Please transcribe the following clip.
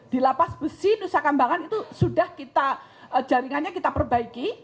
dilapas besi nusakambangan itu sudah kita jaringannya kita perbaiki